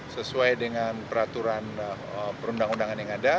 sesuai dengan peraturan perundang undangan yang ada